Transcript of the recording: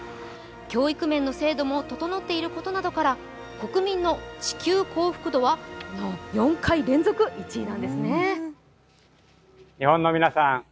教育面の制度も整っていることなどから、国民の地球幸福度は４回連続１位なんですね。